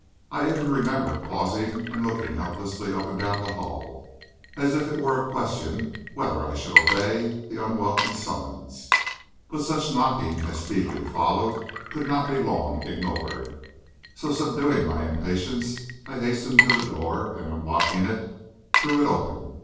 I even remember pausing and looking helplessly up and down the hall, as if it were a question whether I should obey the unwelcome summons. But such knocking as speedily followed could not be long ignored. So, subduing my impatience, I hastened to the door, and unlocking it, threw it open.